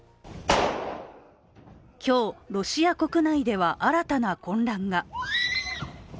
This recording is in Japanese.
今日、ロシア国内では新たな混乱が。